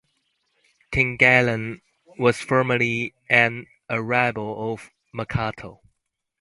Tangalan was formerly an "arrabal" of Makato.